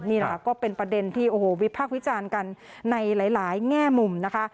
นี่แหละค่ะก็เป็นประเด็นที่โอ้โหวิพากษ์วิจารณ์กันในหลายแง่มุมนะคะ